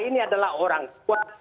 ini adalah orang kuat